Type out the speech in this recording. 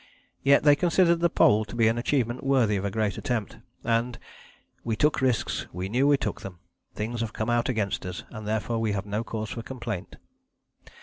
Yet they considered the Pole to be an achievement worthy of a great attempt, and "We took risks, we knew we took them; things have come out against us, and therefore we have no cause for complaint...."